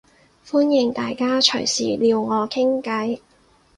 歡迎大家隨時撩我傾計